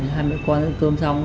hai mẹ con cơm xong